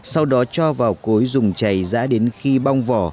sau đó cho vào cối dùng chảy giã đến khi bong vỏ